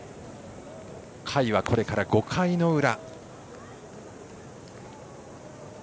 回はこれから５回の裏。